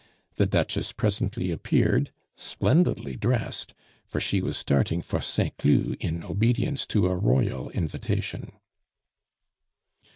The Duchess presently appeared, splendidly dressed, for she was starting for Saint Cloud in obedience to a Royal invitation.